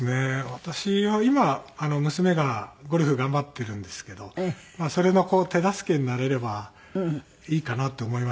私は今娘がゴルフ頑張ってるんですけどそれの手助けになれればいいかなと思いまして。